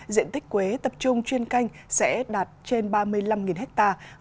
diện tích quế tập trung chuyên canh sẽ đạt trên ba mươi năm hectare